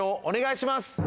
お願いします